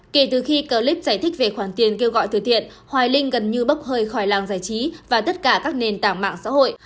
kể từ khi clip giải thích về khoản tiền kêu gọi từ thiện hoài linh gần như bốc hơi khỏi làng giải trí và tất cả các nền tảng mạng xã hội